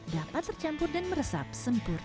dapat tercampur dan meresap sempurna